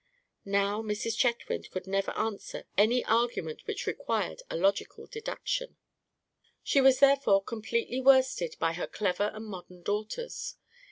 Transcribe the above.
Now, Mrs. Chetwynd could never answer any argument which required a logical deduction. She was therefore completely worsted by her clever and modern daughters.